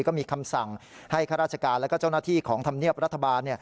ก็มีคำสั่งให้ข้าราชการและเจ้าหน้าที่ของธรรมเนียบรัฐบาล